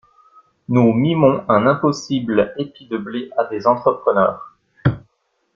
Nous mimons un impossible épi de blé à des entrepreneurs.